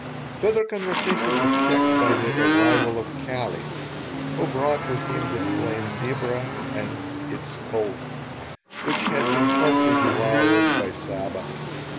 Further conversation was checked by the arrival of Kali, who brought with him the slain zebra and its colt, which had been partly devoured by Saba.